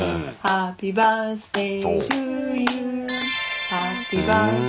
ハッピーバースデートゥーユー。